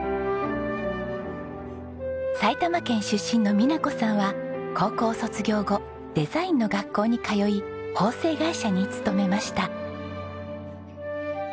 埼玉県出身の美奈子さんは高校を卒業後デザインの学校に通い縫製会社に勤めました。